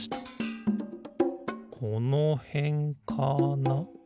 このへんかな？